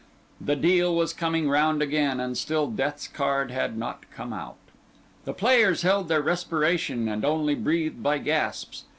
The deal was coming round again, and still Death's card had not come out. The players held their respiration, and only breathed by gasps.